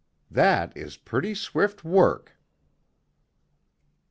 That is pretty swift work!"